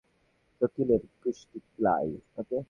জটিলের গুষ্টি কিলাই!